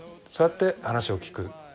そうやって話を聞く。